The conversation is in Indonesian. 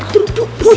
kita duduk disini